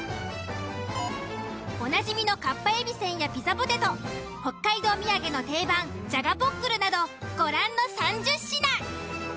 おなじみのかっぱえびせんやピザポテト北海道土産の定番じゃがポックルなどご覧の３０品。